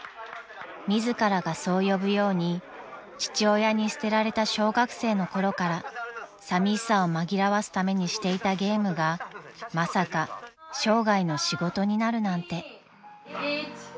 ［自らがそう呼ぶように父親に捨てられた小学生の頃からさみしさを紛らわすためにしていたゲームがまさか生涯の仕事になるなんて］